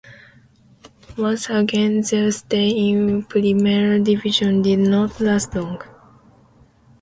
Once again their stay in Primera Division did not last long.